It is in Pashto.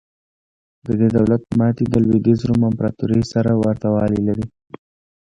د دې دولت ماتې د لوېدیځ روم امپراتورۍ سره ورته والی لري.